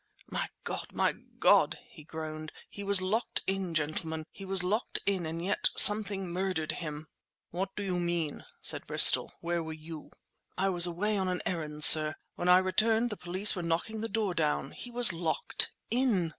"My God! my God!" he groaned. "He was locked in, gentlemen! He was locked in; and yet something murdered him!" "What do you mean?" said Bristol. "Where were you?" "I was away on an errand, sir. When I returned, the police were knocking the door down. He was locked in!"